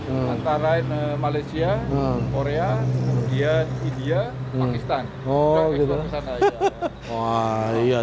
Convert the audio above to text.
antara malaysia korea india pakistan